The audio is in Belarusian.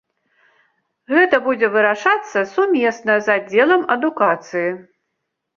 Гэта будзе вырашацца сумесна з аддзелам адукацыі.